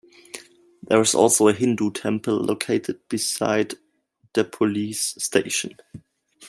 There is also a Hindu Temple located beside the police station.